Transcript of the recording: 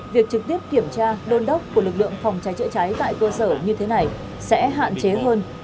việc trực tiếp kiểm tra đôn đốc của lực lượng phòng cháy chữa cháy tại cơ sở như thế này sẽ hạn chế hơn